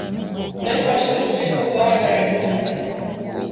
Nabifashe nkukuri ko azahagarara iruhande rwanjye